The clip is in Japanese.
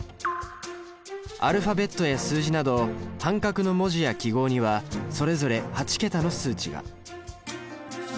アルファベットや数字など半角の文字や記号にはそれぞれ８桁の数値が。